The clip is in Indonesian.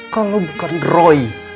kalau bukan roy